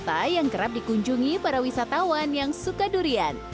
wisata yang kerap dikunjungi para wisatawan yang suka durian